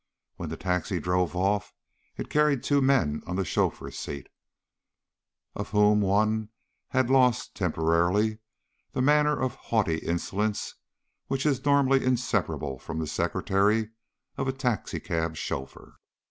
When the taxi drove off, it carried two men on the chauffeur's seat, of whom one had lost, temporarily, the manner of haughty insolence which is normally inseparable from the secretary of a taxicab chauffeur.